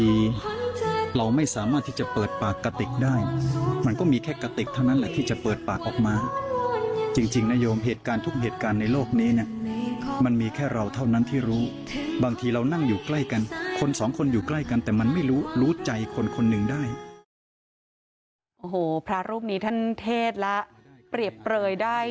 อีกคนคนหนึ่งได้โอ้โหพระรูปนี้ท่านเทศละเปรียบเปรยได้